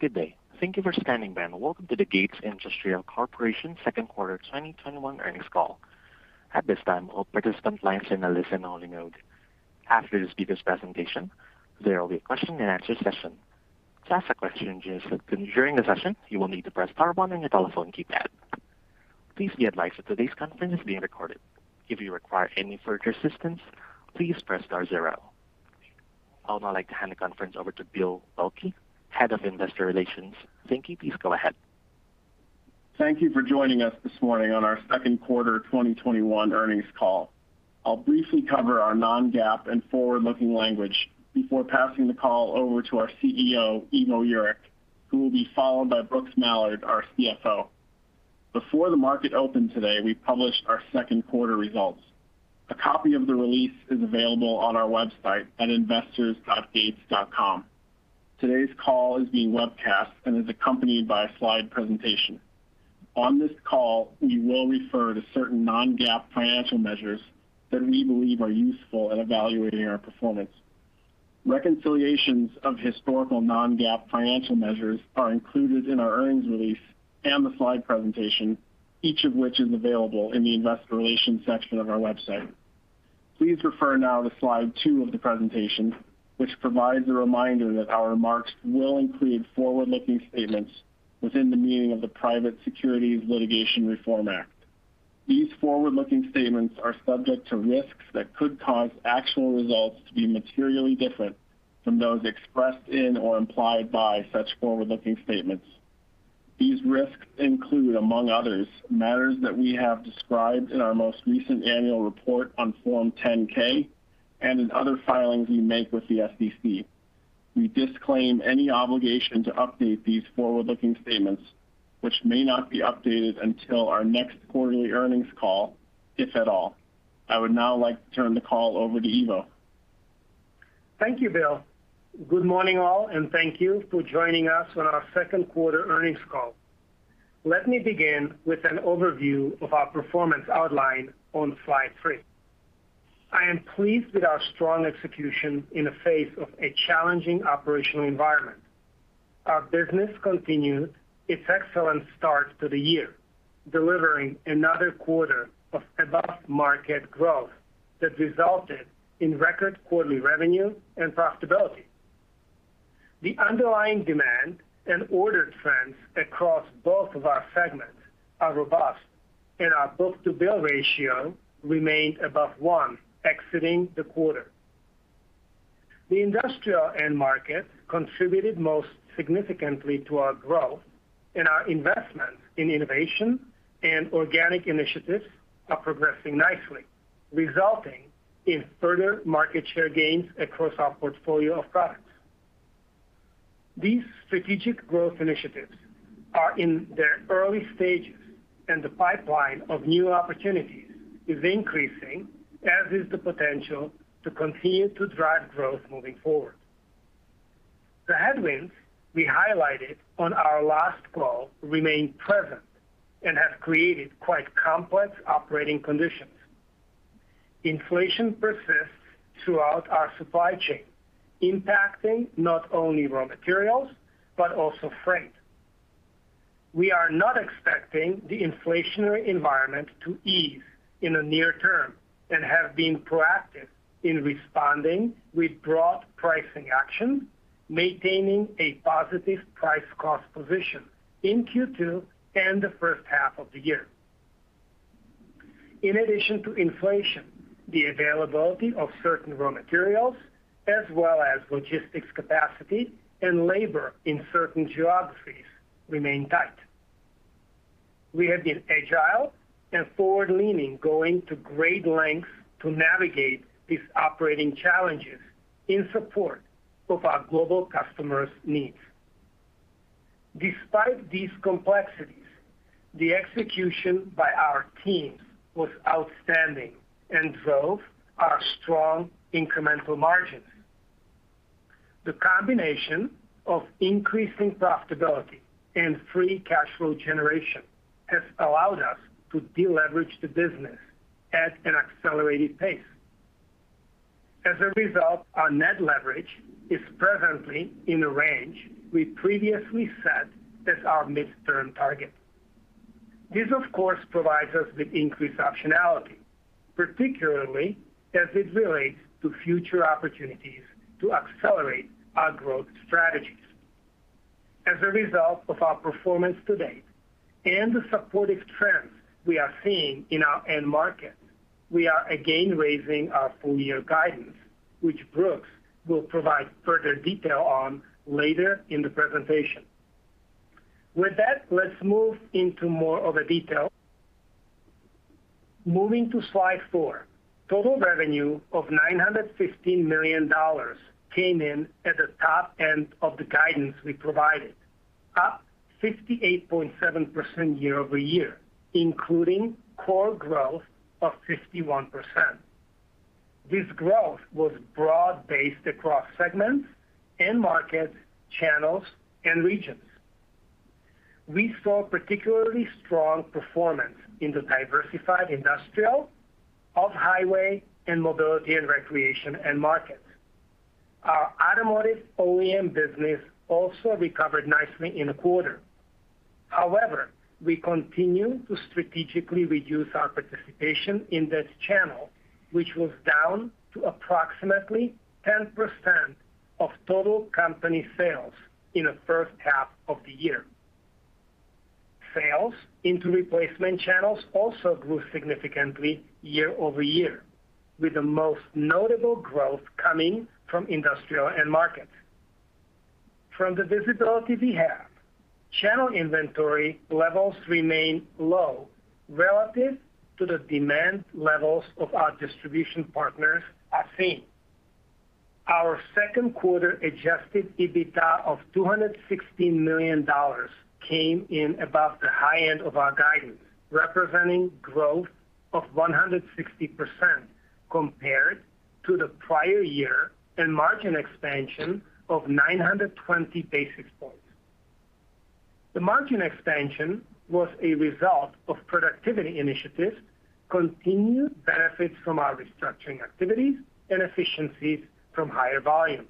Good day. Thank you for standing by, and welcome to the Gates Industrial Corporation Second Quarter 2021 Earnings Call. I would now like to hand the conference over to Bill Waelke, Head of Investor Relations. Thank you for joining us this morning on our second quarter 2021 earnings call. I'll briefly cover our non-GAAP and forward-looking language before passing the call over to our CEO, Ivo Jurek, who will be followed by Brooks Mallard, our CFO. Before the market opened today, we published our second quarter results. A copy of the release is available on our website at investors.gates.com. Today's call is being webcast and is accompanied by a slide presentation. On this call, we will refer to certain non-GAAP financial measures that we believe are useful in evaluating our performance. Reconciliations of historical non-GAAP financial measures are included in our earnings release and the slide presentation, each of which is available in the investor relations section of our website. Please refer now to slide two of the presentation, which provides a reminder that our remarks will include forward-looking statements within the meaning of the Private Securities Litigation Reform Act. These forward-looking statements are subject to risks that could cause actual results to be materially different from those expressed in or implied by such forward-looking statements. These risks include, among others, matters that we have described in our most recent annual report on Form 10-K and in other filings we make with the SEC. We disclaim any obligation to update these forward-looking statements, which may not be updated until our next quarterly earnings call, if at all. I would now like to turn the call over to Ivo. Thank you, Bill. Good morning, all, and thank you for joining us on our second quarter earnings call. Let me begin with an overview of our performance outline on slide three. I am pleased with our strong execution in the face of a challenging operational environment. Our business continued its excellent start to the year, delivering another quarter of above-market growth that resulted in record quarterly revenue and profitability. The underlying demand and order trends across both of our segments are robust, and our book-to-bill ratio remained above 1 exiting the quarter. The industrial end market contributed most significantly to our growth, and our investments in innovation and organic initiatives are progressing nicely, resulting in further market share gains across our portfolio of products. These strategic growth initiatives are in their early stages, and the pipeline of new opportunities is increasing, as is the potential to continue to drive growth moving forward. The headwinds we highlighted on our last call remain present and have created quite complex operating conditions. Inflation persists throughout our supply chain, impacting not only raw materials, but also freight. We are not expecting the inflationary environment to ease in the near term and have been proactive in responding with broad pricing action, maintaining a positive price-cost position in Q2 and the first half of the year. In addition to inflation, the availability of certain raw materials, as well as logistics capacity and labor in certain geographies remain tight. We have been agile and forward-leaning, going to great lengths to navigate these operating challenges in support of our global customers' needs. Despite these complexities, the execution by our teams was outstanding and drove our strong incremental margins. The combination of increasing profitability and free cash flow generation has allowed us to deleverage the business at an accelerated pace. As a result, our net leverage is presently in the range we previously set as our midterm target. This, of course, provides us with increased optionality, particularly as it relates to future opportunities to accelerate our growth strategies. As a result of our performance to date and the supportive trends we are seeing in our end market, we are again raising our full year guidance, which Brooks will provide further detail on later in the presentation. With that, let's move into more of a detail. Moving to slide four. Total revenue of $915 million came in at the top end of the guidance we provided, up 58.7% year-over-year, including core growth of 51%. This growth was broad-based across segments, end markets, channels, and regions. We saw particularly strong performance in the diversified industrial, off-highway, and mobility and recreation end markets. Our automotive OEM business also recovered nicely in the quarter. We continue to strategically reduce our participation in this channel, which was down to approximately 10% of total company sales in the first half of the year. Sales into replacement channels also grew significantly year-over-year, with the most notable growth coming from industrial end markets. From the visibility we have, channel inventory levels remain low relative to the demand levels our distribution partners are seeing. Our second quarter adjusted EBITDA of $216 million came in above the high end of our guidance, representing growth of 160% compared to the prior year, and margin expansion of 920 basis points. The margin expansion was a result of productivity initiatives, continued benefits from our restructuring activities, and efficiencies from higher volumes.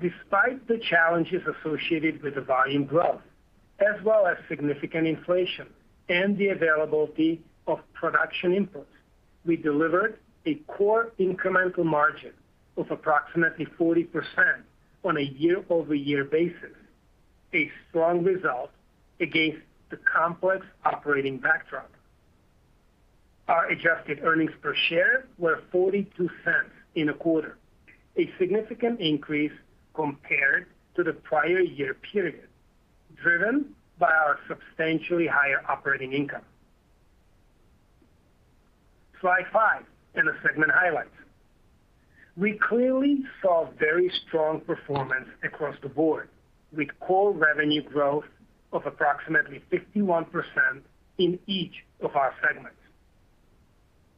Despite the challenges associated with the volume growth, as well as significant inflation and the availability of production inputs, we delivered a core incremental margin of approximately 40% on a year-over-year basis, a strong result against the complex operating backdrop. Our adjusted earnings per share were $0.42 in the quarter, a significant increase compared to the prior year period, driven by our substantially higher operating income. Slide five in the segment highlights. We clearly saw very strong performance across the board, with core revenue growth of approximately 51% in each of our segments.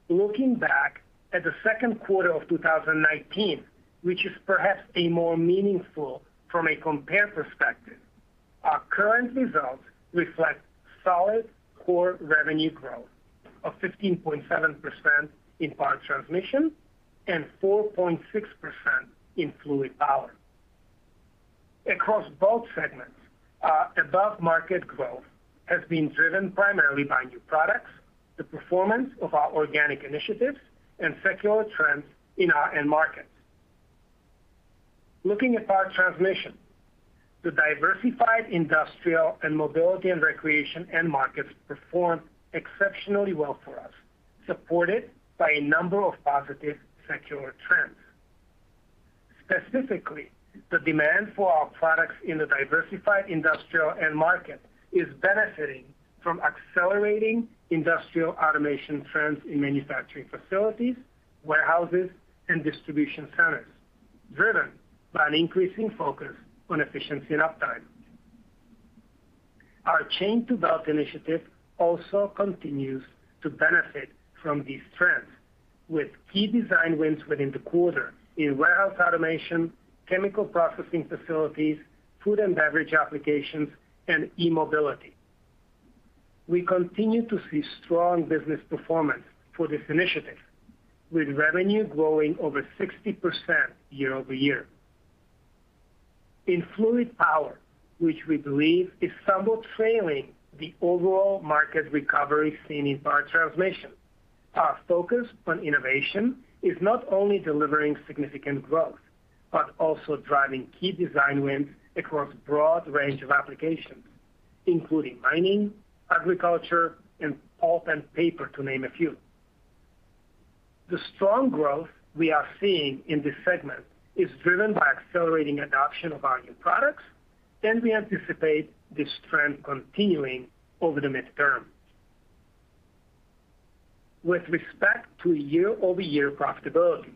Looking back at the second quarter of 2019, which is perhaps a more meaningful from a compare perspective, our current results reflect solid core revenue growth of 15.7% in Power Transmission and 4.6% in Fluid Power. Across both segments, our above-market growth has been driven primarily by new products, the performance of our organic initiatives, and secular trends in our end markets. Looking at Power Transmission, the diversified industrial and mobility and recreation end markets performed exceptionally well for us, supported by a number of positive secular trends. Specifically, the demand for our products in the diversified industrial end market is benefiting from accelerating industrial automation trends in manufacturing facilities, warehouses, and distribution centers, driven by an increasing focus on efficiency and uptime. Our Chain to Belt initiative also continues to benefit from these trends, with key design wins within the quarter in warehouse automation, chemical processing facilities, food and beverage applications, and e-mobility. We continue to see strong business performance for this initiative, with revenue growing over 60% year-over-year. In Fluid Power, which we believe is somewhat trailing the overall market recovery seen in Power Transmission, our focus on innovation is not only delivering significant growth, but also driving key design wins across a broad range of applications, including mining, agriculture, and pulp and paper, to name a few. The strong growth we are seeing in this segment is driven by accelerating adoption of our new products. We anticipate this trend continuing over the midterm. With respect to year-over-year profitability,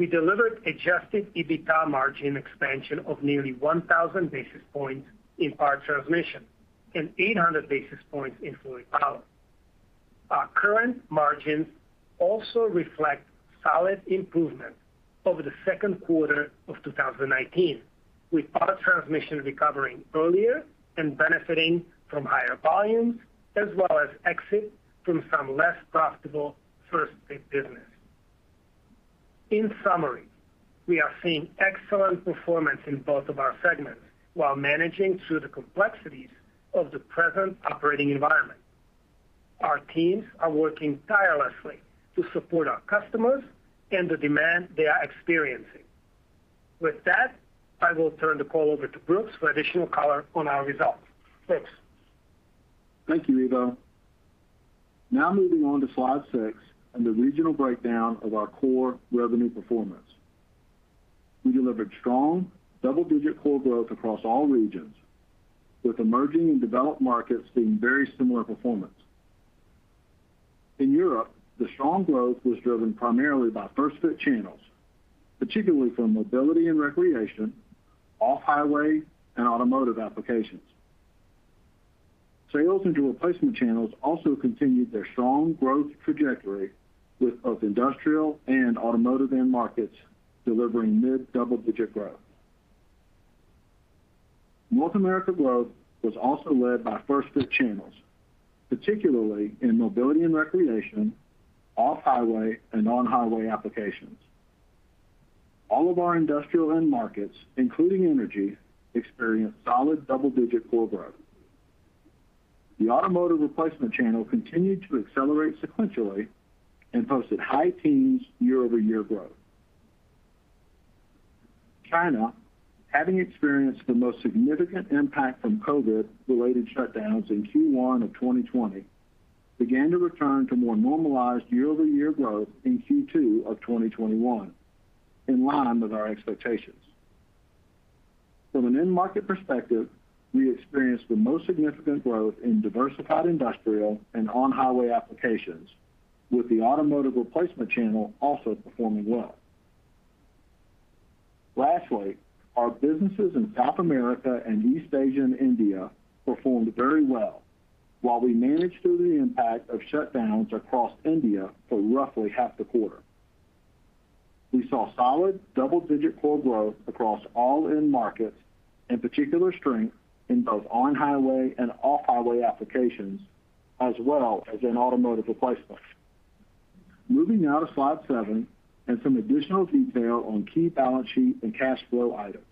we delivered adjusted EBITDA margin expansion of nearly 1,000 basis points in Power Transmission and 800 basis points in Fluid Power. Our current margins also reflect solid improvement over the second quarter of 2019, with Power Transmission recovering earlier and benefiting from higher volumes as well as exit from some less profitable first fit business. In summary, we are seeing excellent performance in both of our segments while managing through the complexities of the present operating environment. Our teams are working tirelessly to support our customers and the demand they are experiencing. With that, I will turn the call over to Brooks for additional color on our results. Thanks. Thank you, Ivo. Now moving on to slide six and the regional breakdown of our core revenue performance. We delivered strong double-digit core growth across all regions, with emerging and developed markets seeing very similar performance. In Europe, the strong growth was driven primarily by first-fit channels, particularly for mobility and recreation, off-highway, and automotive applications. Sales into replacement channels also continued their strong growth trajectory with both industrial and automotive end markets delivering mid-double-digit growth. North America growth was also led by first-fit channels, particularly in mobility and recreation, off-highway, and on-highway applications. All of our industrial end markets, including energy, experienced solid double-digit core growth. The automotive replacement channel continued to accelerate sequentially and posted high teens year-over-year growth. China, having experienced the most significant impact from COVID-related shutdowns in Q1 of 2020, began to return to more normalized year-over-year growth in Q2 of 2021, in line with our expectations. From an end market perspective, we experienced the most significant growth in diversified industrial and on-highway applications, with the automotive replacement channel also performing well. Lastly, our businesses in South America and East Asia and India performed very well. While we managed through the impact of shutdowns across India for roughly half the quarter. We saw solid double-digit core growth across all end markets, and particular strength in both on-highway and off-highway applications, as well as in automotive replacement. Moving now to slide seven, and some additional detail on key balance sheet and cash flow items.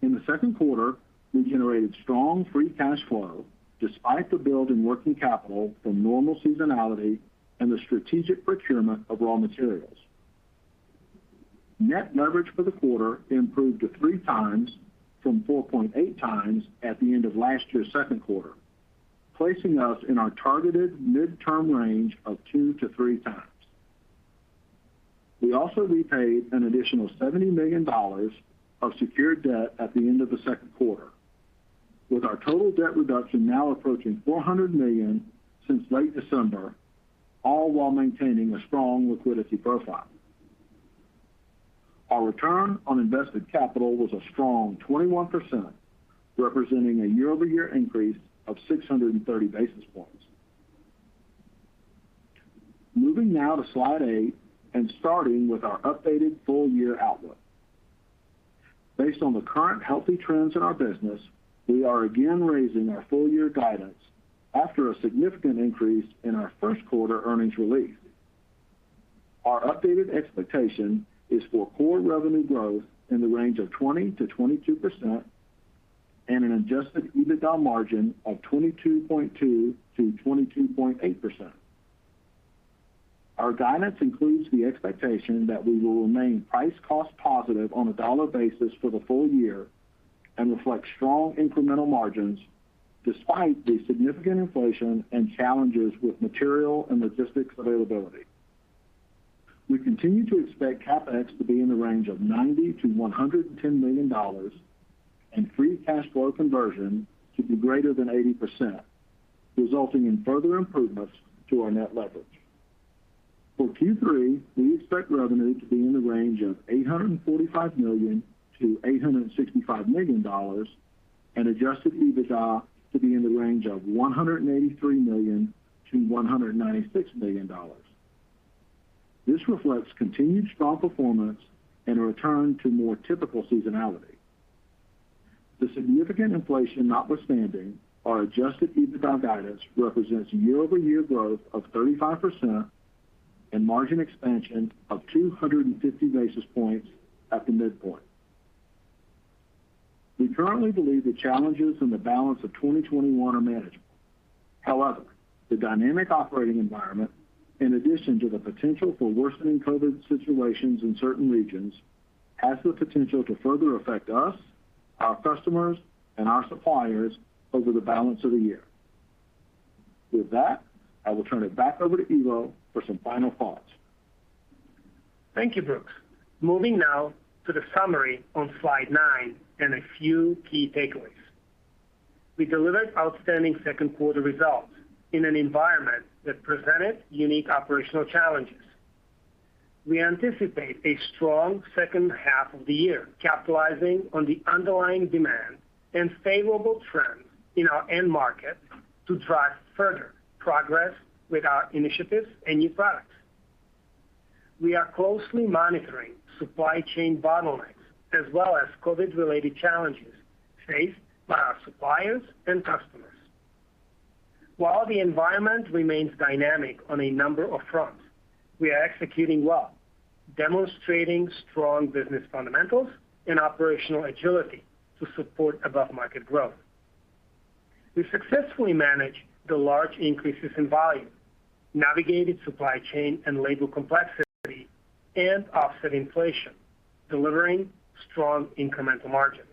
In the second quarter, we generated strong free cash flow despite the build in working capital from normal seasonality and the strategic procurement of raw materials. Net leverage for the quarter improved to 3x from 4.8x at the end of last year's second quarter, placing us in our targeted midterm range of 2x-3x. We also repaid an additional $70 million of secured debt at the end of the second quarter, with our total debt reduction now approaching $400 million since late December, all while maintaining a strong liquidity profile. Our return on invested capital was a strong 21%, representing a year-over-year increase of 630 basis points. Moving now to slide eight, Starting with our updated full-year outlook. Based on the current healthy trends in our business, we are again raising our full-year guidance after a significant increase in our first quarter earnings release. Our updated expectation is for core revenue growth in the range of 20%-22% and an adjusted EBITDA margin of 22.2%-22.8%. Our guidance includes the expectation that we will remain price cost positive on a dollar basis for the full year and reflect strong incremental margins despite the significant inflation and challenges with material and logistics availability. We continue to expect CapEx to be in the range of $90 million-$110 million, and free cash flow conversion to be greater than 80%, resulting in further improvements to our net leverage. For Q3, we expect revenue to be in the range of $845 million-$865 million, and adjusted EBITDA to be in the range of $183 million-$196 million. This reflects continued strong performance and a return to more typical seasonality. The significant inflation notwithstanding, our adjusted EBITDA guidance represents year-over-year growth of 35% and margin expansion of 250 basis points at the midpoint. We currently believe the challenges in the balance of 2021 are manageable. However, the dynamic operating environment, in addition to the potential for worsening COVID situations in certain regions, has the potential to further affect us, our customers, and our suppliers over the balance of the year. With that, I will turn it back over to Ivo for some final thoughts. Thank you, Brooks. Moving now to the summary on slide nine and a few key takeaways. We delivered outstanding second quarter results in an environment that presented unique operational challenges. We anticipate a strong second half of the year, capitalizing on the underlying demand and favorable trends in our end market to drive further progress with our initiatives and new products. We are closely monitoring supply chain bottlenecks as well as COVID-related challenges faced by our suppliers and customers. While the environment remains dynamic on a number of fronts, we are executing well, demonstrating strong business fundamentals and operational agility to support above-market growth. We successfully managed the large increases in volume, navigated supply chain and labor complexity, and offset inflation, delivering strong incremental margins.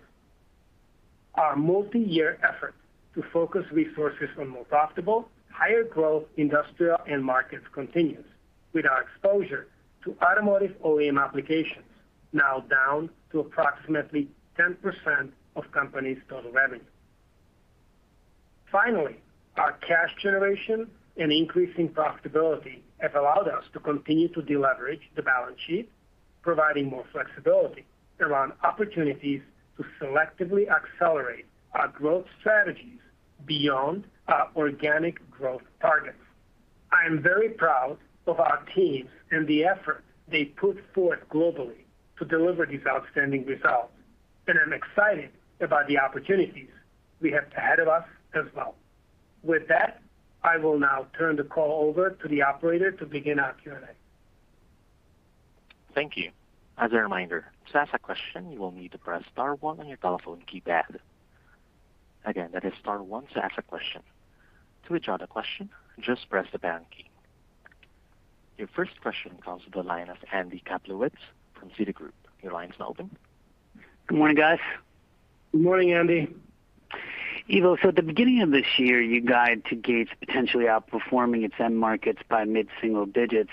Our multi-year effort to focus resources on more profitable, higher growth industrial end markets continues, with our exposure to automotive OEM applications now down to approximately 10% of company's total revenue. Finally, our cash generation and increasing profitability have allowed us to continue to deleverage the balance sheetProviding more flexibility around opportunities to selectively accelerate our growth strategies beyond our organic growth targets. I am very proud of our teams and the effort they put forth globally to deliver these outstanding results, and I'm excited about the opportunities we have ahead of us as well. With that, I will now turn the call over to the operator to begin our Q&A. Thank you. As a reminder, to ask a question, you will need to press star one on your telephone keypad. Again, that is star one to ask a question. To withdraw the question, just press the pound key. Your first question comes to the line of Andy Kaplowitz from Citigroup. Your line's now open. Good morning, guys. Good morning, Andy. Ivo, at the beginning of this year, you guide to Gates potentially outperforming its end markets by mid-single digits.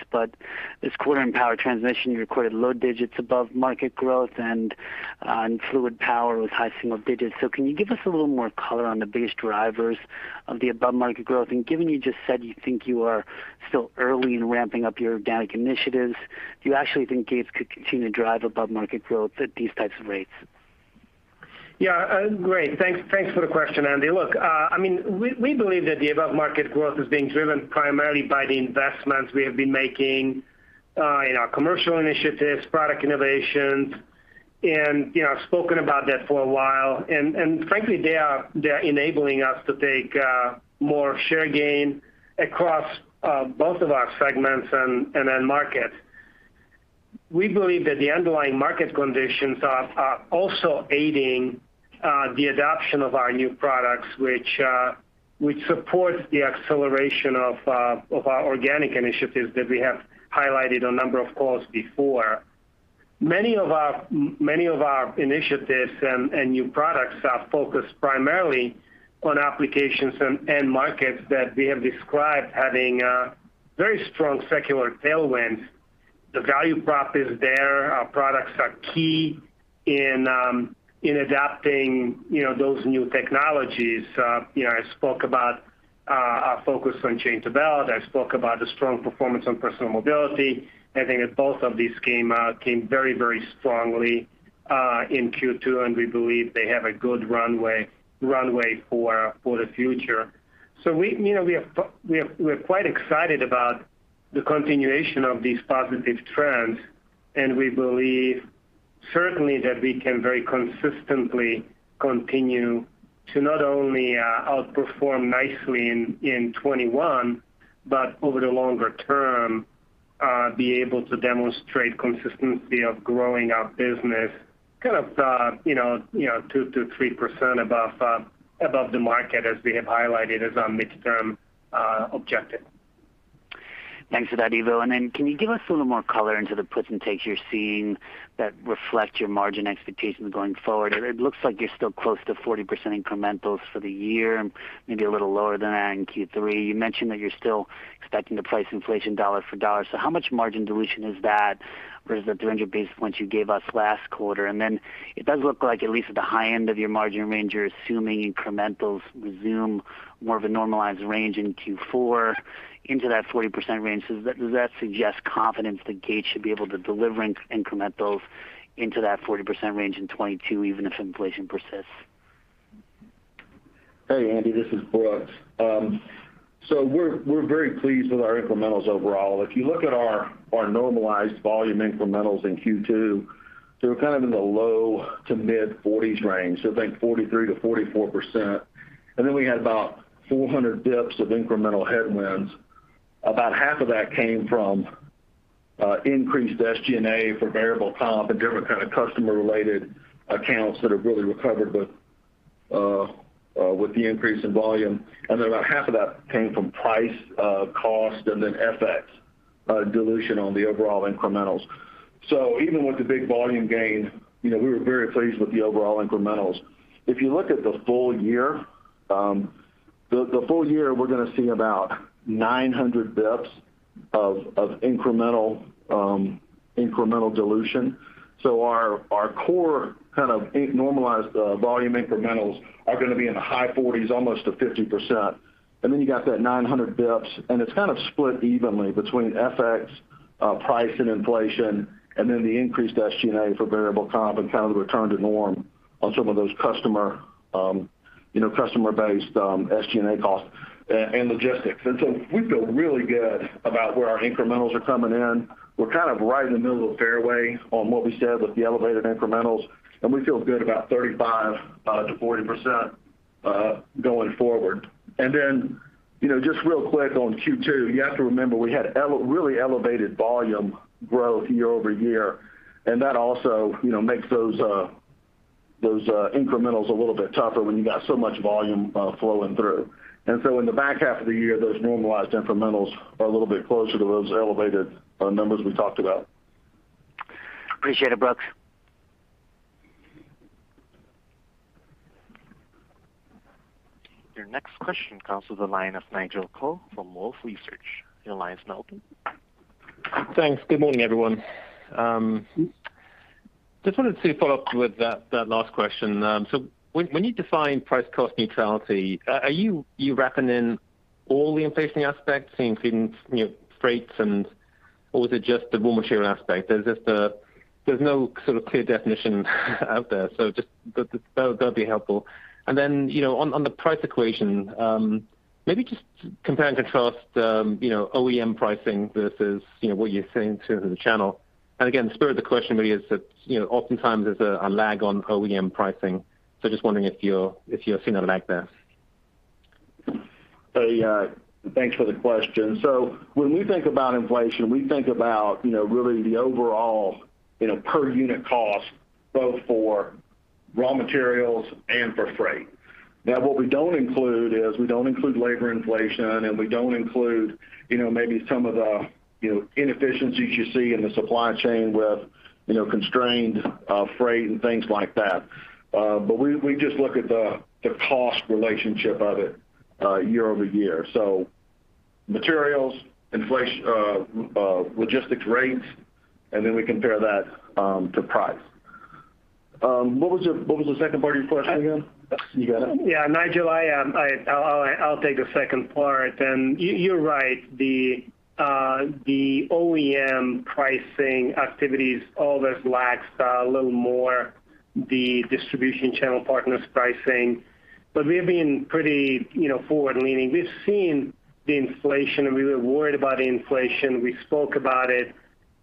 This quarter in Power Transmission, you recorded low digits above market growth and on Fluid Power was high single digits. Can you give us a little more color on the biggest drivers of the above-market growth? Given you just said you think you are still early in ramping up your organic initiatives, do you actually think Gates could continue to drive above-market growth at these types of rates? Yeah. Great. Thanks for the question, Andy. Look, we believe that the above-market growth is being driven primarily by the investments we have been making in our commercial initiatives, product innovations, I've spoken about that for a while. Frankly, they are enabling us to take more share gain across both of our segments and end markets. We believe that the underlying market conditions are also aiding the adoption of our new products, which support the acceleration of our organic initiatives that we have highlighted on a number of calls before. Many of our initiatives, new products are focused primarily on applications and end markets that we have described having very strong secular tailwinds. The value prop is there. Our products are key in adapting those new technologies. I spoke about our focus on Chain to Belt. I spoke about the strong performance on personal mobility. I think that both of these came very strongly in Q2, and we believe they have a good runway for the future. We're quite excited about the continuation of these positive trends, and we believe certainly that we can very consistently continue to not only outperform nicely in 2021, but over the longer term, be able to demonstrate consistency of growing our business kind of 2%-3% above the market as we have highlighted as our midterm objective. Thanks for that, Ivo. Can you give us a little more color into the puts and takes you're seeing that reflect your margin expectations going forward? It looks like you're still close to 40% incrementals for the year and maybe a little lower than that in Q3. You mentioned that you're still expecting to price inflation dollar for dollar. How much margin dilution is that versus the 300 basis points you gave us last quarter? It does look like at least at the high end of your margin range, you're assuming incrementals resume more of a normalized range in Q4 into that 40% range. Does that suggest confidence that Gates should be able to deliver incrementals into that 40% range in 2022, even if inflation persists? Hey, Andy, this is Brooks. We're very pleased with our incrementals overall. If you look at our normalized volume incrementals in Q2, we're kind of in the low to mid-40s range, think 43%-44%. We had about 400 basis points of incremental headwinds. About half of that came from increased SG&A for variable comp and different kind of customer-related accounts that have really recovered with the increase in volume. About half of that came from price, cost, and FX dilution on the overall incrementals. Even with the big volume gain, we were very pleased with the overall incrementals. If you look at the full year, we're going to see about 900 basis points of incremental dilution. Our core kind of normalized volume incrementals are going to be in the high 40s, almost to 50%. Then you got that 900 basis points, and it's kind of split evenly between FX, price and inflation, and then the increased SG&A for variable comp and kind of the return to norm on some of those customer-based SG&A costs and logistics. So we feel really good about where our incrementals are coming in. We're kind of right in the middle of the fairway on what we said with the elevated incrementals, and we feel good about 35%-40% going forward. Then, just real quick on Q2, you have to remember, we had really elevated volume growth year-over-year, and that also makes those incrementals a little bit tougher when you got so much volume flowing through. So in the back half of the year, those normalized incrementals are a little bit closer to those elevated numbers we talked about. Appreciate it, Brooks. Your next question comes to the line of Nigel Coe from Wolfe Research. Your line's now open. Thanks. Good morning, everyone. Good morning. Just wanted to follow up with that last question. When you define price cost neutrality, are you wrapping in all the inflation aspects, including freights, and or was it just the raw material aspect? There's no sort of clear definition out there. Just that'd be helpful. Then, on the price equation, maybe just compare and contrast OEM pricing versus what you're saying to the channel. Again, the spirit of the question really is that oftentimes there's a lag on OEM pricing, so just wondering if you're seeing a lag there. Thanks for the question. When we think about inflation, we think about really the overall per unit cost, both for raw materials and for freight. What we don't include is, we don't include labor inflation, and we don't include maybe some of the inefficiencies you see in the supply chain with constrained freight and things like that. We just look at the cost relationship of it year-over-year. Materials, logistics rates, and then we compare that to price. What was the second part of your question again? You got it? Yeah. Nigel, I'll take the second part. You're right, the OEM pricing activities always lags a little more the distribution channel partners pricing. We've been pretty forward-leaning. We've seen the inflation, and we were worried about inflation. We spoke about it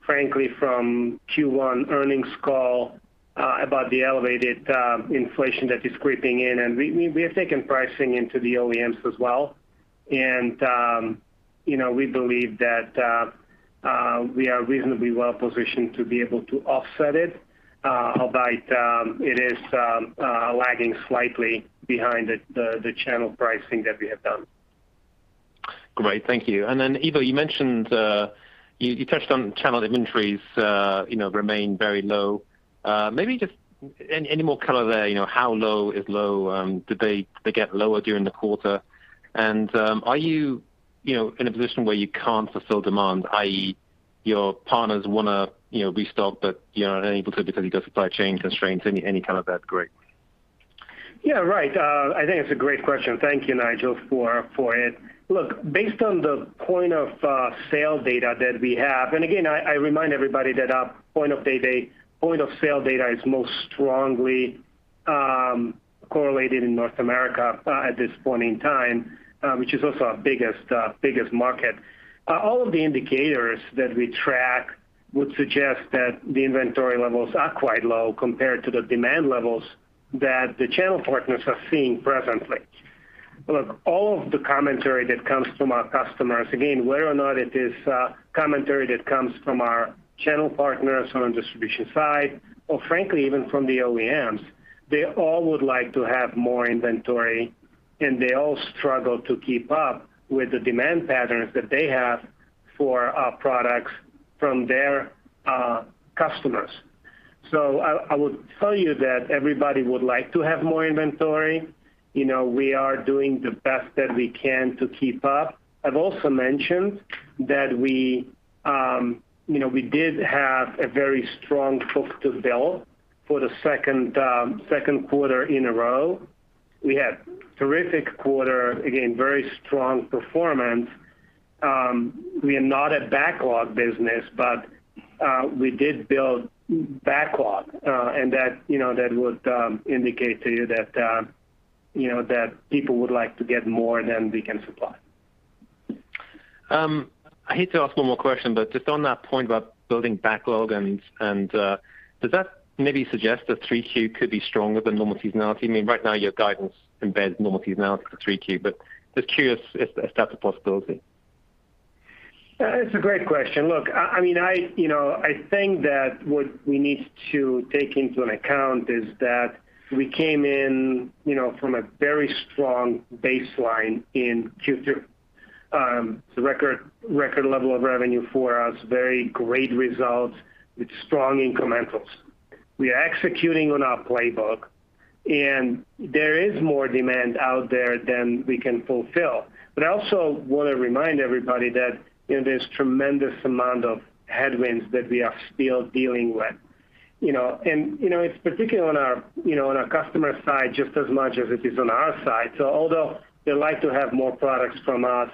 frankly from Q1 earnings call, about the elevated inflation that is creeping in, and we have taken pricing into the OEMs as well. We believe that we are reasonably well-positioned to be able to offset it. Albeit it is lagging slightly behind the channel pricing that we have done. Great. Thank you. Then Ivo, you touched on channel inventories remain very low. Maybe just any more color there, how low is low? Did they get lower during the quarter? Are you in a position where you can't fulfill demand, i.e., your partners want to restock, but you're unable to because of supply chain constraints? Any kind of that grid? Yeah, right. I think it's a great question. Thank you, Nigel, for it. Look, based on the point of sale data that we have, and again, I remind everybody that our point of sale data is most strongly correlated in North America at this point in time, which is also our biggest market. All of the indicators that we track would suggest that the inventory levels are quite low compared to the demand levels that the channel partners are seeing presently. Look, all of the commentary that comes from our customers, again, whether or not it is commentary that comes from our channel partners on the distribution side, or frankly even from the OEMs, they all would like to have more inventory, and they all struggle to keep up with the demand patterns that they have for our products from their customers. I would tell you that everybody would like to have more inventory. We are doing the best that we can to keep up. I've also mentioned that we did have a very strong book-to-bill for the second quarter in a row. We had terrific quarter, again, very strong performance. We are not a backlog business, but we did build backlog, and that would indicate to you that people would like to get more than we can supply. I hate to ask one more question, but just on that point about building backlog, and does that maybe suggest that 3Q could be stronger than normal seasonality? I mean, right now your guidance embeds normal seasonality for 3Q, but just curious if that's a possibility. It's a great question. Look, I think that what we need to take into account is that we came in from a very strong baseline in Q2. The record level of revenue for us, very great results with strong incrementals. We are executing on our playbook, there is more demand out there than we can fulfill. I also want to remind everybody that there's tremendous amount of headwinds that we are still dealing with. It's particularly on our customer side, just as much as it is on our side. Although they like to have more products from us,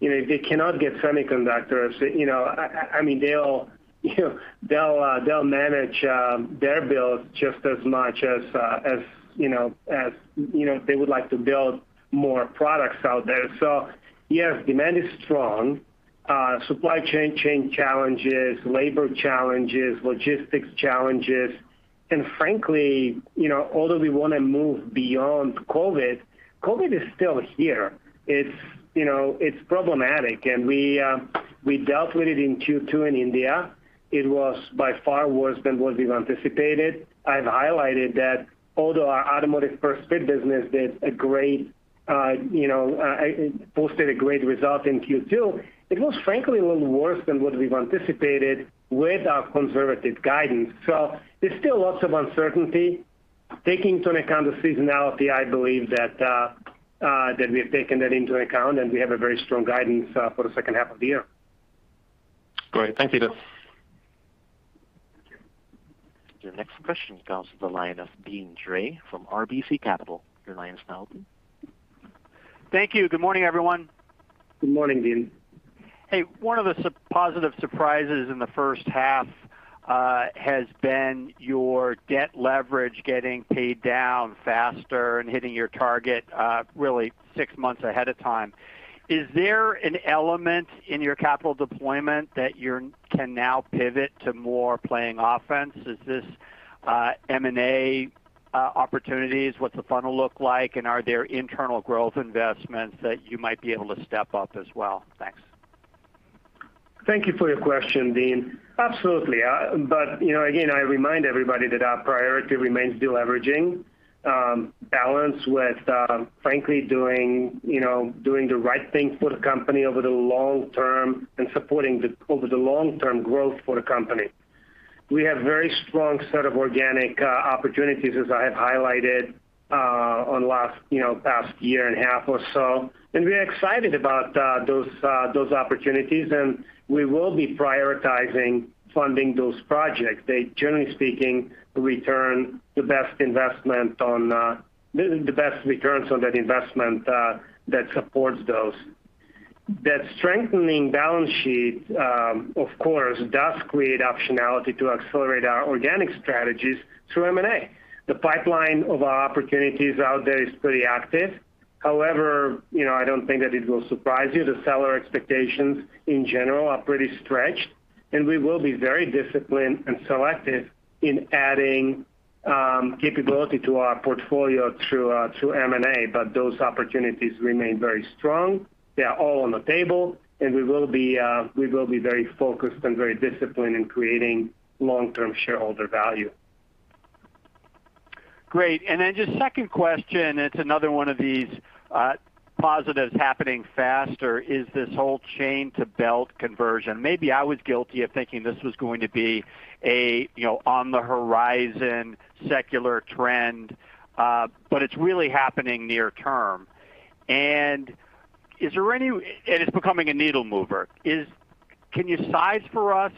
they cannot get semiconductors. They'll manage their builds just as much as they would like to build more products out there. Yes, demand is strong. Supply chain challenges, labor challenges, logistics challenges, and frankly, although we want to move beyond COVID is still here. It's problematic. We dealt with it in Q2 in India. It was by far worse than what we've anticipated. I've highlighted that although our automotive first fit business posted a great result in Q2, it was frankly a little worse than what we've anticipated with our conservative guidance. There's still lots of uncertainty. Taking into account the seasonality, I believe that we have taken that into account, and we have a very strong guidance for the second half of the year. Great. Thank you. Your next question comes to the line of Deane Dray from RBC Capital. Thank you. Good morning, everyone. Good morning, Deane. One of the positive surprises in the first half has been your debt leverage getting paid down faster and hitting your target really six months ahead of time. Is there an element in your capital deployment that you can now pivot to more playing offense? Is this M&A opportunities? What's the funnel look like? Are there internal growth investments that you might be able to step up as well? Thanks. Thank you for your question, Deane. Absolutely. Again, I remind everybody that our priority remains de-leveraging balanced with frankly doing the right thing for the company over the long term and supporting over the long-term growth for the company. We have very strong set of organic opportunities, as I have highlighted on the past year and a half or so. We are excited about those opportunities. We will be prioritizing funding those projects. They, generally speaking, return the best returns on that investment that supports those. That strengthening balance sheet, of course, does create optionality to accelerate our organic strategies through M&A. The pipeline of our opportunities out there is pretty active. However, I don't think that it will surprise you, the seller expectations in general are pretty stretched. We will be very disciplined and selective in adding capability to our portfolio through M&A. Those opportunities remain very strong. They are all on the table, and we will be very focused and very disciplined in creating long-term shareholder value. Great. Then just second question, it's another one of these positives happening faster is this whole Chain to Belt conversion. Maybe I was guilty of thinking this was going to be an on-the-horizon secular trend, but it's really happening near term. It's becoming a needle mover. Can you size for us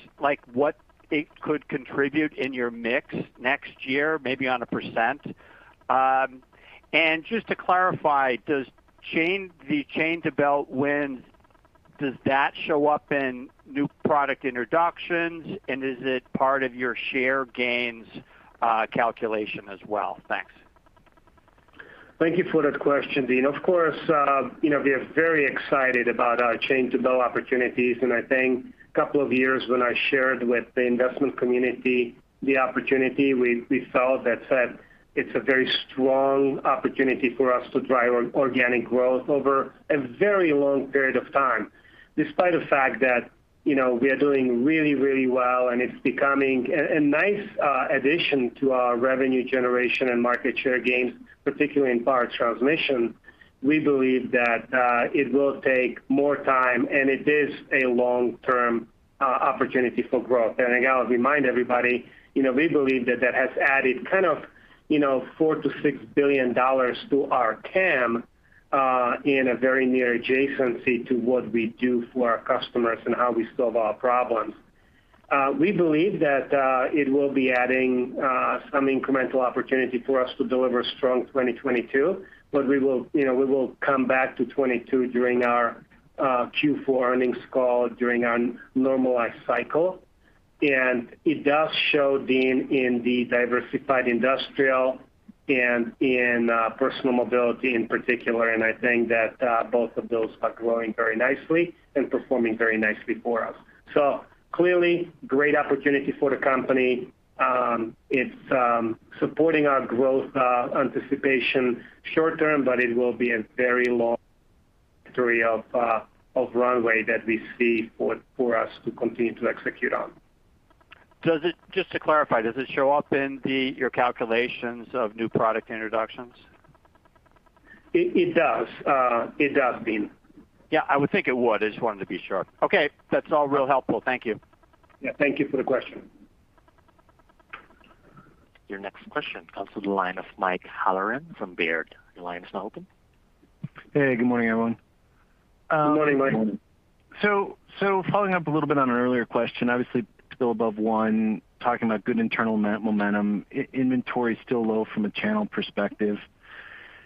what it could contribute in your mix next year, maybe on a percent? Just to clarify, does the Chain to Belt win, does that show up in new product introductions? Is it part of your share gains calculation as well? Thanks. Thank you for that question, Deane. Of course, we are very excited about our Chain to Belt opportunities, and I think a couple of years when I shared with the investment community the opportunity we felt that it's a very strong opportunity for us to drive organic growth over a very long period of time, despite the fact that we are doing really well, and it's becoming a nice addition to our revenue generation and market share gains, particularly in Power Transmission. We believe that it will take more time, and it is a long-term opportunity for growth. I got to remind everybody, we believe that that has added kind of $4 billion-$6 billion to our TAM in a very near adjacency to what we do for our customers and how we solve our problems. We believe that it will be addi ng some incremental opportunity for us to deliver a strong 2022, but we will come back to 2022 during our Q4 earnings call during our normalized cycle. It does show, Deane, in the diversified industrial and in personal mobility in particular, and I think that both of those are growing very nicely and performing very nicely for us. Clearly, great opportunity for the company. It's supporting our growth anticipation short term, but it will be a very long story of runway that we see for us to continue to execute on. Just to clarify, does it show up in your calculations of new product introductions? It does, Deane. Yeah, I would think it would. I just wanted to be sure. Okay. That's all real helpful. Thank you. Yeah. Thank you for the question. Your next question comes to the line of Mike Halloran from Baird. Your line is now open. Hey, good morning, everyone. Good morning, Mike. Following up a little bit on an earlier question, obviously still above 1, talking about good internal momentum. Inventory is still low from a channel perspective.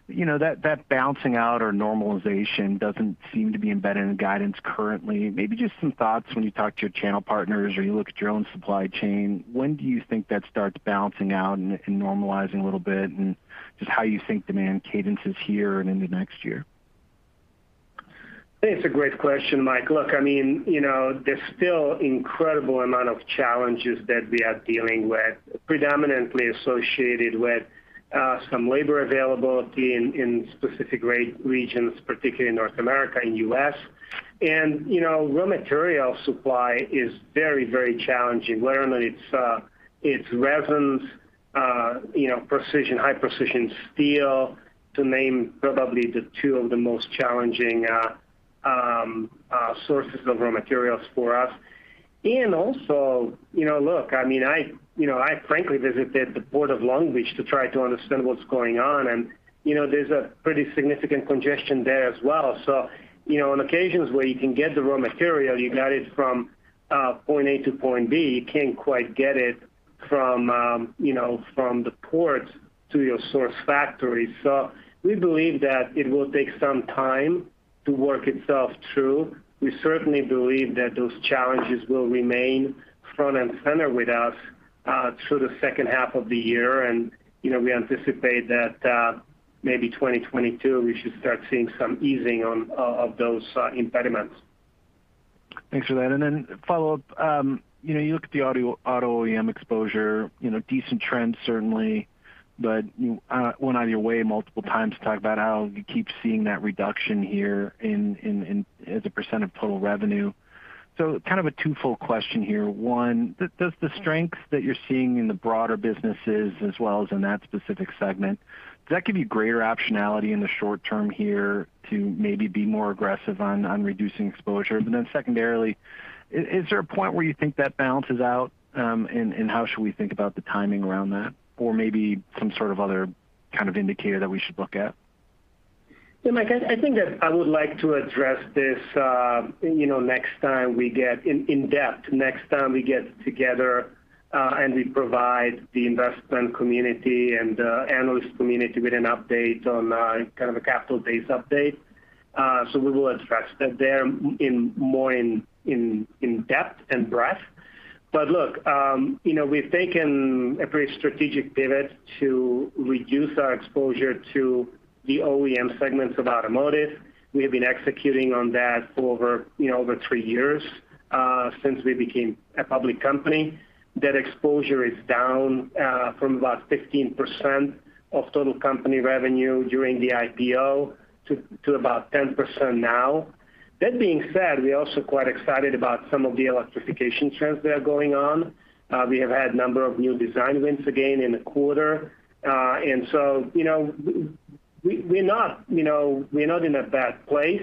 That bouncing out or normalization doesn't seem to be embedded in the guidance currently. Maybe just some thoughts when you talk to your channel partners or you look at your own supply chain. When do you think that starts balancing out and normalizing a little bit, and just how you think demand cadence is here and into next year? It's a great question, Mike. Look, there's still incredible amount of challenges that we are dealing with, predominantly associated with some labor availability in specific regions, particularly North America and U.S. Raw material supply is very challenging, whether it's resins, high-precision steel, to name probably the two of the most challenging sources of raw materials for us. Also, look, I frankly visited the Port of Long Beach to try to understand what's going on, there's a pretty significant congestion there as well. On occasions where you can get the raw material, you got it from point A to point B, you can't quite get it from the port to your source factory. We believe that it will take some time to work itself through. We certainly believe that those challenges will remain front and center with us through the second half of the year. We anticipate that maybe 2022, we should start seeing some easing of those impediments. Thanks for that. Then follow-up, you look at the auto OEM exposure, decent trends certainly, but you went out of your way multiple times to talk about how you keep seeing that reduction here as a percentage of total revenue. Kind of a two-fold question here. one, does the strength that you're seeing in the broader businesses as well as in that specific segment, does that give you greater optionality in the short term here to maybe be more aggressive on reducing exposure? Then secondarily, is there a point where you think that balances out? How should we think about the timing around that? Maybe some sort of other kind of indicator that we should look at? Yeah, Mike, I think that I would like to address this in depth next time we get together, and we provide the investment community and analyst community with an update on kind of a capital base update. We will address that there more in depth and breadth. Look, we've taken a pretty strategic pivot to reduce our exposure to the OEM segments of automotive. We have been executing on that for over three years, since we became a public company. That exposure is down from about 15% of total company revenue during the IPO to about 10% now. That being said, we're also quite excited about some of the electrification trends that are going on. We have had a number of new design wins again in the quarter. We're not in a bad place,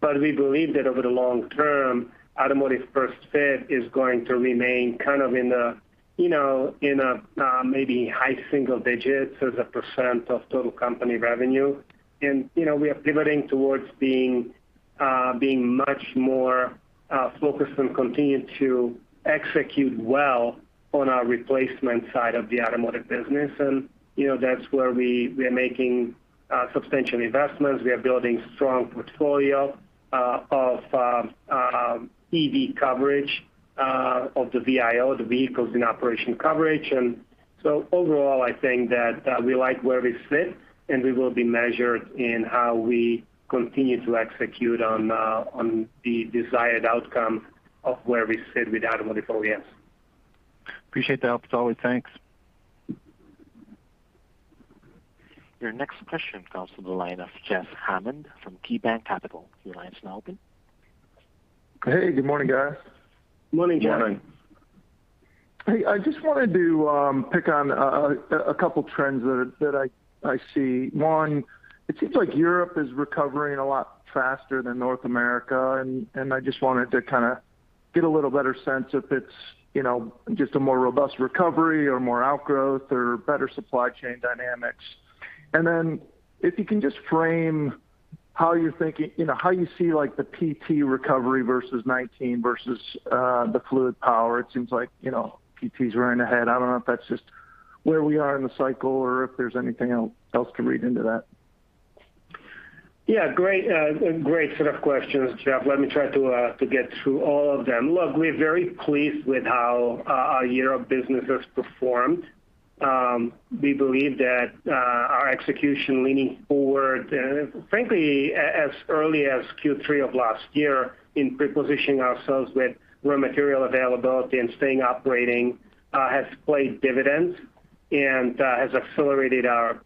but we believe that over the long term, automotive first fit is going to remain kind of in a maybe high single digits as a percent of total company revenue. We are pivoting towards being much more focused on continuing to execute well on our replacement side of the automotive business. That's where we are making substantial investments. We are building strong portfolio of EV coverage of the VIO, the vehicles in operation coverage, overall, I think that we like where we sit, and we will be measured in how we continue to execute on the desired outcome of where we sit with automotive OEMs. Appreciate the help as always. Thanks. Your next question comes from the line of Jeff Hammond from KeyBanc Capital. Your line's now open. Hey, good morning, guys. Morning, Jeff. Morning. Hey, I just wanted to pick on a couple trends that I see. One, it seems like Europe is recovering a lot faster than North America, and I just wanted to kind of get a little better sense if it's just a more robust recovery or more outgrowth or better supply chain dynamics. If you can just frame how you see like the PT recovery versus 2019 versus the Fluid Power. It seems like PT's running ahead. I don't know if that's just where we are in the cycle or if there's anything else to read into that. Great set of questions, Jeff. Let me try to get through all of them. Look, we're very pleased with how our year of business has performed. We believe that our execution leaning forward, frankly, as early as Q3 of last year in prepositioning ourselves with raw material availability and staying operating, has played dividends and has accelerated our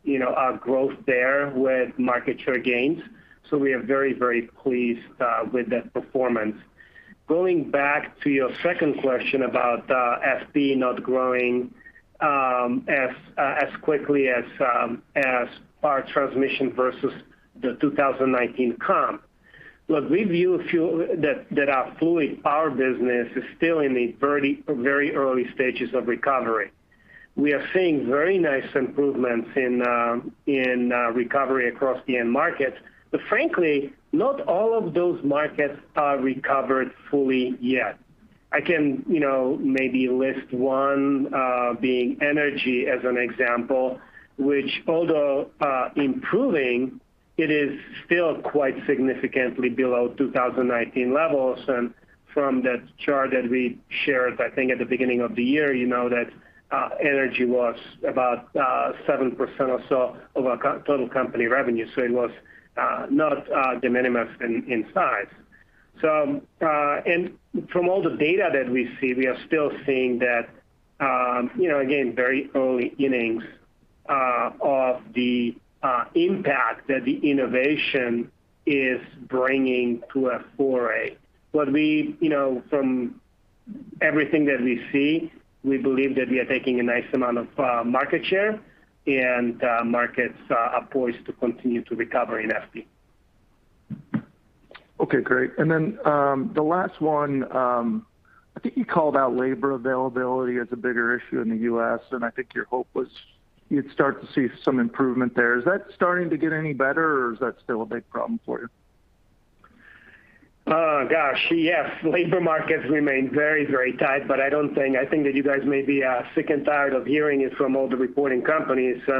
growth there with market share gains. We are very pleased with that performance. Going back to your second question about FP not growing as quickly as our transmission versus the 2019 comp. Look, we view that our Fluid Power business is still in the very early stages of recovery. We are seeing very nice improvements in recovery across the end markets. Frankly, not all of those markets are recovered fully yet. I can maybe list one, being energy as an example, which although improving, it is still quite significantly below 2019 levels. From that chart that we shared, I think at the beginning of the year, you know that energy was about 7% or so of our total company revenue. So it was not de minimis in size. From all the data that we see, we are still seeing that, again, very early innings of the impact that the innovation is bringing to F4A. From everything that we see, we believe that we are taking a nice amount of market share, and markets are poised to continue to recover in FP. Okay, great. The last one, I think you called out labor availability as a bigger issue in the U.S., and I think your hope was you'd start to see some improvement there. Is that starting to get any better or is that still a big problem for you? Gosh, yes. Labor markets remain very tight. I think that you guys may be sick and tired of hearing it from all the reporting companies. We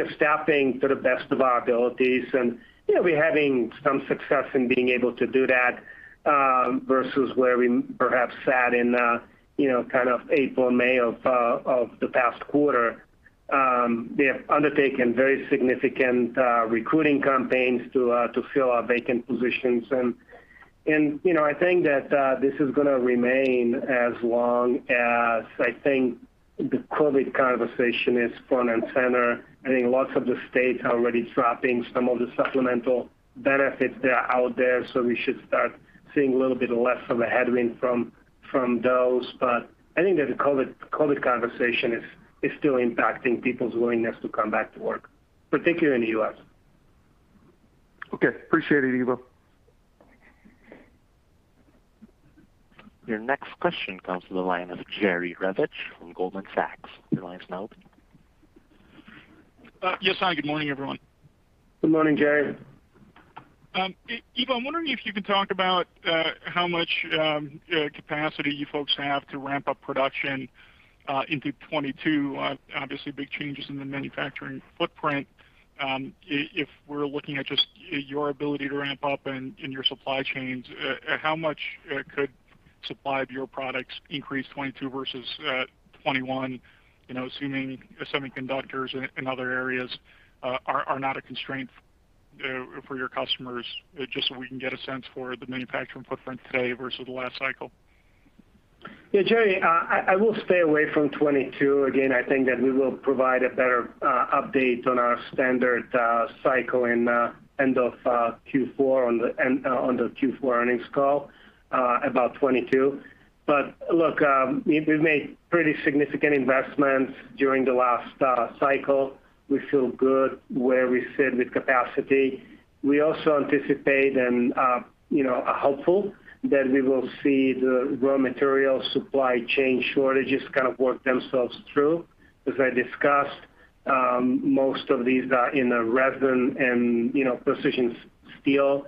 are staffing to the best of our abilities, and we're having some success in being able to do that, versus where we perhaps sat in April, May of the past quarter. We have undertaken very significant recruiting campaigns to fill our vacant positions. I think that this is going to remain as long as the COVID conversation is front and center. I think lots of the states are already dropping some of the supplemental benefits that are out there. We should start seeing a little bit less of a headwind from those. I think that the COVID conversation is still impacting people's willingness to come back to work, particularly in the U.S. Okay. Appreciate it, Ivo. Your next question comes from the line of Jerry Revich from Goldman Sachs. Your line's now open. Yes. Hi, good morning, everyone. Good morning, Jerry. Ivo, I'm wondering if you can talk about how much capacity you folks have to ramp up production into 2022. Obviously, big changes in the manufacturing footprint. If we're looking at just your ability to ramp up in your supply chains, how much could supply of your products increase 2022 versus 2021, assuming semiconductors and other areas are not a constraint for your customers, just so we can get a sense for the manufacturing footprint today versus the last cycle? Yeah, Jerry, I will stay away from 2022. I think that we will provide a better update on our standard cycle in end of Q4, on the Q4 earnings call about 2022. Look, we've made pretty significant investments during the last cycle. We feel good where we sit with capacity. We also anticipate and are hopeful that we will see the raw material supply chain shortages kind of work themselves through. As I discussed, most of these are in the resin and precision steel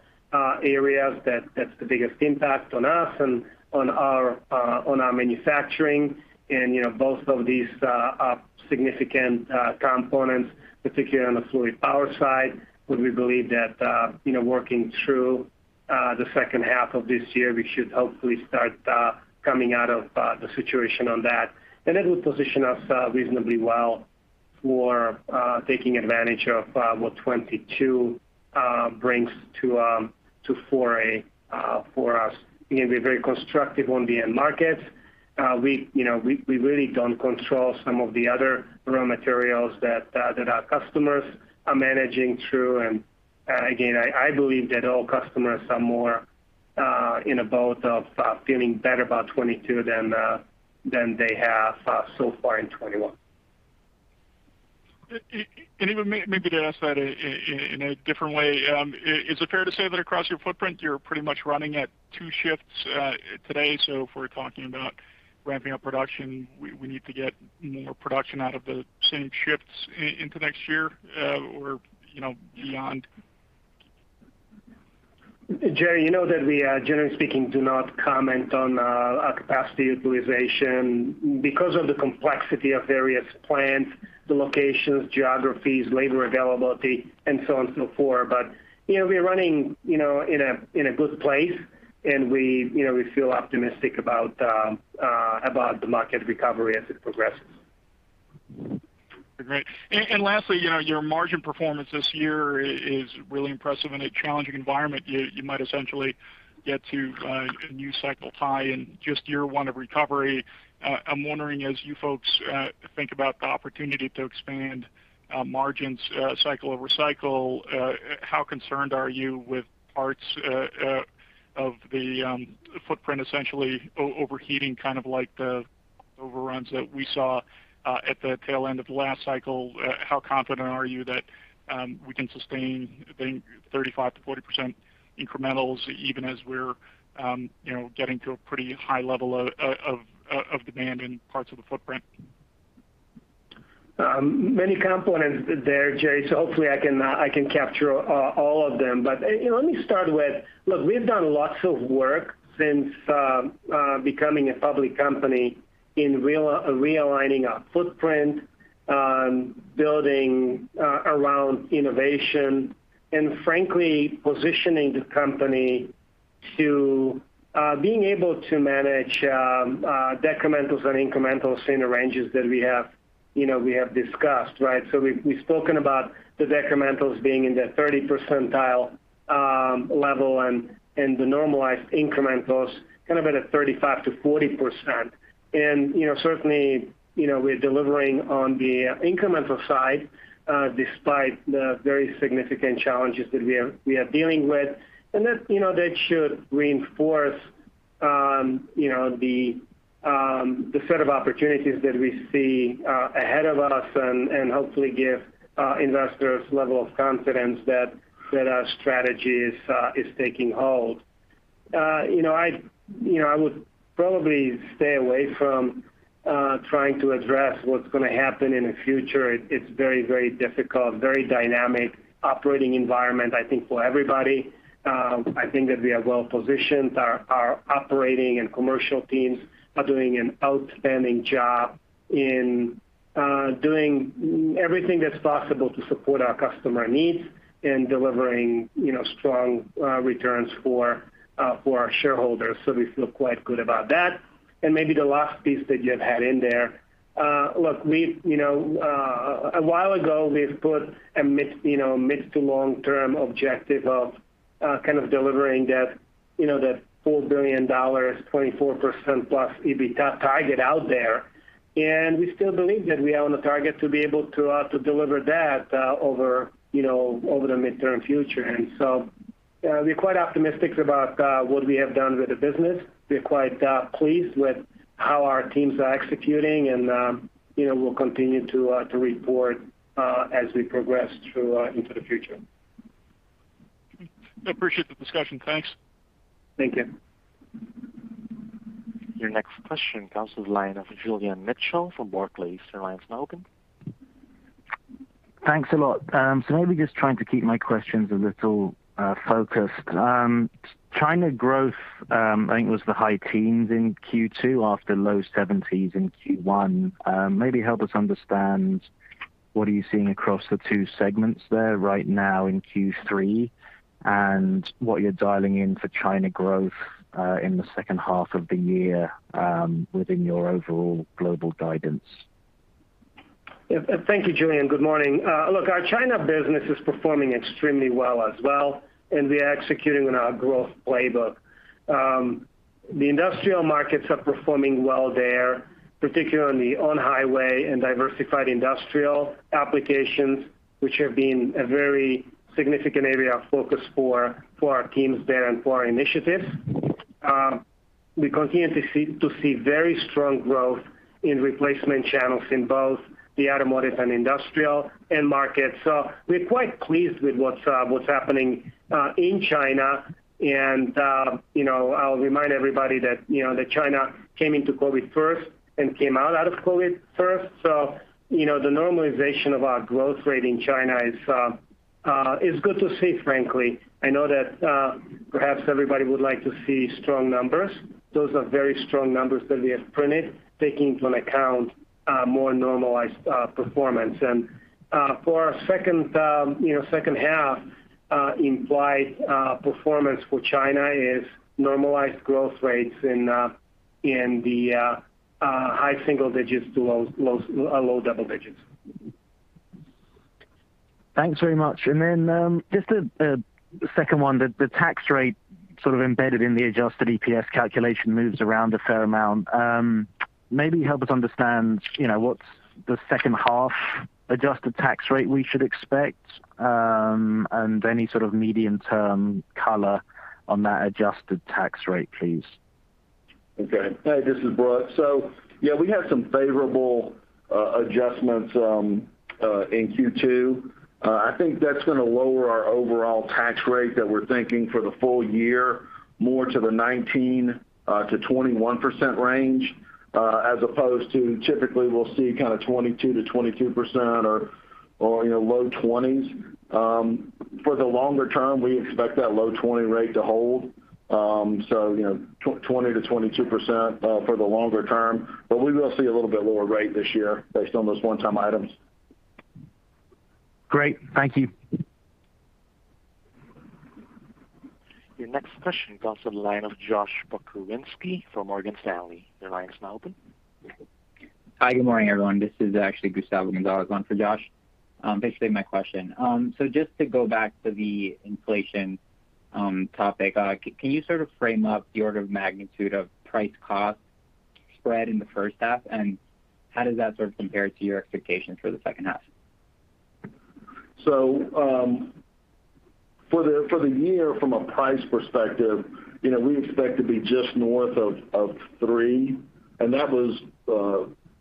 areas. That's the biggest impact on us and on our manufacturing. Both of these are significant components, particularly on the Fluid Power side, where we believe that working through the second half of this year, we should hopefully start coming out of the situation on that. It will position us reasonably well for taking advantage of what 2022 brings to foray for us. We're very constructive on the end markets. We really don't control some of the other raw materials that our customers are managing through. Again, I believe that all customers are more in a boat of feeling better about 2022 than they have so far in 2021. Even maybe to ask that in a different way, is it fair to say that across your footprint, you're pretty much running at two shifts today? If we're talking about ramping up production, we need to get more production out of the same shifts into next year, or beyond? Jerry, you know that we, generally speaking, do not comment on our capacity utilization because of the complexity of various plants, the locations, geographies, labor availability, and so on, so forth. We are running in a good place, and we feel optimistic about the market recovery as it progresses. Great. Lastly, your margin performance this year is really impressive. In a challenging environment, you might essentially get to a new cycle high in just year one of recovery. I'm wondering, as you folks think about the opportunity to expand margins cycle over cycle, how concerned are you with parts of the footprint essentially overheating, kind of like the overruns that we saw at the tail end of last cycle? How confident are you that we can sustain the 35%-40% incrementals even as we're getting to a pretty high level of demand in parts of the footprint? Many components there, Jerry. Hopefully I can capture all of them. Let me start with, look, we've done lots of work since becoming a public company in realigning our footprint, building around innovation, and frankly, positioning the company to being able to manage decrementals and incrementals in the ranges that we have discussed, right? We've spoken about the decrementals being in the 30% level and the normalized incrementals kind of at a 35%-40%. Certainly, we are delivering on the incremental side despite the very significant challenges that we are dealing with. That should reinforce the set of opportunities that we see ahead of us and hopefully give investors level of confidence that our strategy is taking hold. I would probably stay away from trying to address what's going to happen in the future. It's very difficult, very dynamic operating environment, I think, for everybody. I think that we are well-positioned. Our operating and commercial teams are doing an outstanding job in doing everything that's possible to support our customer needs and delivering strong returns for our shareholders. We feel quite good about that. Maybe the last piece that you've had in there. Look, a while ago, we've put a mid to long-term objective of kind of delivering that $4 billion, 24%+ EBITDA target out there. We still believe that we are on the target to be able to deliver that over the midterm future. We're quite optimistic about what we have done with the business. We're quite pleased with how our teams are executing, and we'll continue to report as we progress through into the future. I appreciate the discussion. Thanks. Thank you. Your next question comes to the line of Julian Mitchell from Barclays. Your line's now open. Thanks a lot. Maybe just trying to keep my questions a little focused. China growth, I think, was the high teens in Q2 after low 70s in Q1. Maybe help us understand what are you seeing across the two segments there right now in Q3 and what you're dialing in for China growth in the second half of the year within your overall global guidance. Thank you, Julian. Good morning. Our China business is performing extremely well as well, we are executing on our growth playbook. The industrial markets are performing well there, particularly on the on-highway and diversified industrial applications, which have been a very significant area of focus for our teams there and for our initiatives. We continue to see very strong growth in replacement channels in both the automotive and industrial end markets. We're quite pleased with what's happening in China, I'll remind everybody that China came into COVID first and came out of COVID first. The normalization of our growth rate in China is good to see, frankly. I know that perhaps everybody would like to see strong numbers. Those are very strong numbers that we have printed, taking into account a more normalized performance. For our second half implied performance for China is normalized growth rates in the high single digits to low double digits. Thanks very much. Just a second one. The tax rate sort of embedded in the adjusted EPS calculation moves around a fair amount. Maybe help us understand what's the second half adjusted tax rate we should expect and any sort of medium-term color on that adjusted tax rate, please. Okay. Hey, this is Brooks. Yeah, we had some favorable adjustments in Q2. I think that's going to lower our overall tax rate that we're thinking for the full year more to the 19%-21% range as opposed to typically we'll see kind of 22%-23% or low 20s. For the longer term, we expect that low 20 rate to hold. 20%-22% for the longer term. We will see a little bit lower rate this year based on those one-time items. Great. Thank you. Your next question comes to the line of Josh Pokrzywinski from Morgan Stanley. Your line is now open. Hi, good morning, everyone. This is actually Gustavo Gonzalez on for Josh. Basically my question, just to go back to the inflation topic, can you sort of frame up the order of magnitude of price cost spread in the first half, and how does that sort of compare to your expectations for the second half? For the year, from a price perspective, we expect to be just north of three, and that was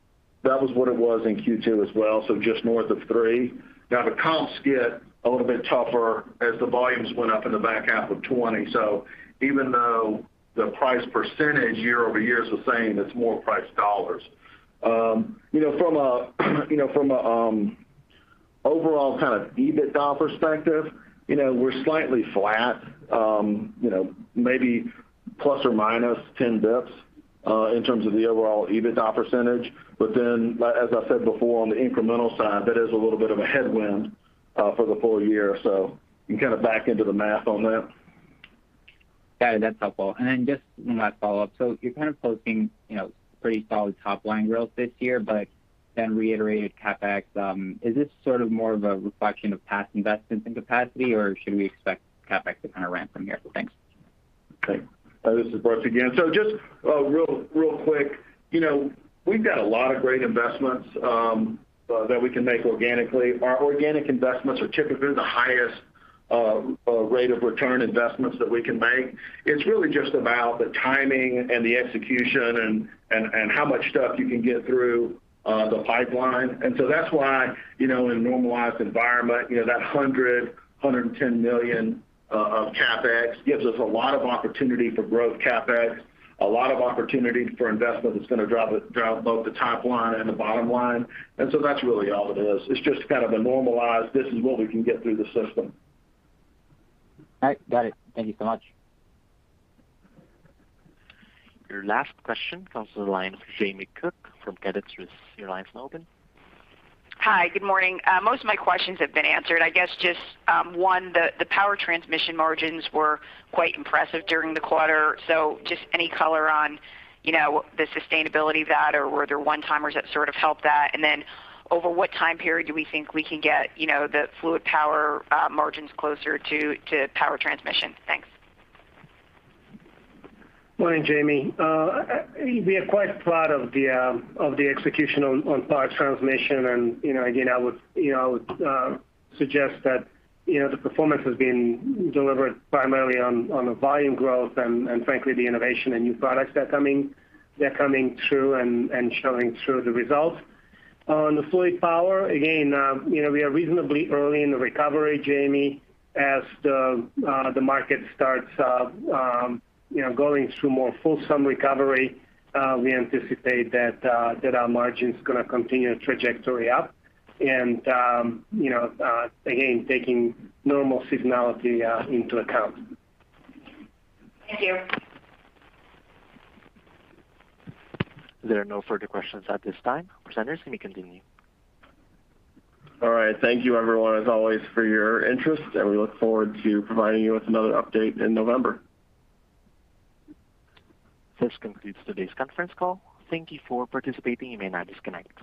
what it was in Q2 as well. Just north of three. Now the comps get a little bit tougher as the volumes went up in the back half of 2020. Even though the price percentage year-over-year is the same, it's more price dollars. From a overall kind of EBITDA perspective, we're slightly flat, maybe ± 10 basis points in terms of the overall EBITDA percentage. As I said before, on the incremental side, that is a little bit of a headwind for the full year. You can kind of back into the math on that. Got it. That's helpful. Just my follow-up, you're kind of posting pretty solid top-line growth this year, but then reiterated CapEx. Is this sort of more of a reflection of past investments in capacity, or should we expect CapEx to kind of ramp from here? Thanks. This is Brooks again. Just real quick, we've got a lot of great investments that we can make organically. Our organic investments are typically the highest rate of return investments that we can make. It's really just about the timing and the execution and how much stuff you can get through the pipeline. That's why, in a normalized environment, that $100 million-$110 million of CapEx gives us a lot of opportunity for growth CapEx. A lot of opportunity for investment that's going to drive both the top line and the bottom line. That's really all it is. It's just kind of a normalized, this is what we can get through the system. All right. Got it. Thank you so much. Your last question comes from the line of Jamie Cook from Credit Suisse. Your line's now open. Hi. Good morning. Most of my questions have been answered. I guess just, one, the Power Transmission margins were quite impressive during the quarter, so just any color on the sustainability of that or were there one-timers that sort of helped that? Over what time period do we think we can get the Fluid Power margins closer to Power Transmission? Thanks. Morning, Jamie. We are quite proud of the execution on Power Transmission, and again, I would suggest that the performance has been delivered primarily on the volume growth and frankly the innovation and new products that are coming through and showing through the results. On the Fluid Power, again, we are reasonably early in the recovery, Jamie. As the market starts going through more full recovery, we anticipate that our margin's going to continue trajectory up and, again, taking normal seasonality into account. Thank you. There are no further questions at this time. Presenters, you may continue. All right. Thank you everyone, as always, for your interest, and we look forward to providing you with another update in November. This concludes today's conference call. Thank you for participating. You may now disconnect.